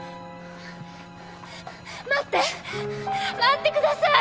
待って待ってください！